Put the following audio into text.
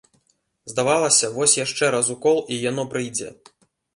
Здавалася, вось яшчэ раз укол і яно прыйдзе.